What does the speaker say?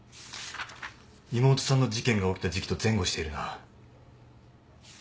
妹さんの事件が起きた時期と前後しているな。